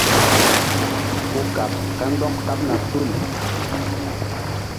Ku kaɓ kandɔk kaɓna tul.